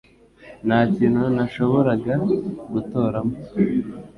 Nta kintu nashoboraga gutoramo